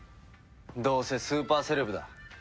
どうせスーパーセレブだ。